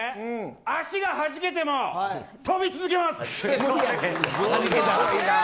足がはじけても跳び続けます。